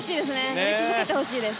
乗り続けてほしいです。